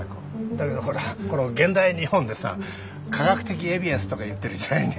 だけどほらこの現代日本でさ科学的エビエンスとか言ってる時代に。